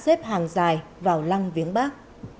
xếp hàng dài vào lăng viếng bác